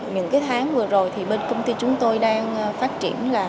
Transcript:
những cái tháng vừa rồi thì bên công ty chúng tôi đang phát triển là